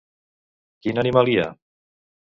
Quin animal hi ha?